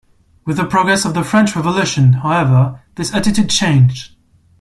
With the progress of the French Revolution, however, this attitude changed.